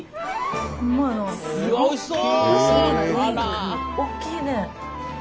うわおいしそう！